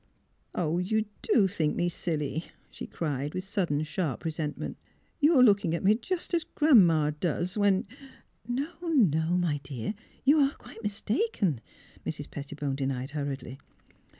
*' Oh, you do think me silly! " she cried, with sudden sharp resentment. " You are looking at me just as Gran 'ma does when I —■—"*' No, no, my dear. You are quite mistaken," Mrs. Pettibone denied, hurriedly.